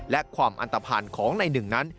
และความอันตภัณฑ์ของในหนึ่งนั้น